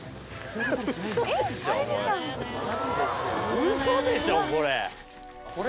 ウソでしょこれ！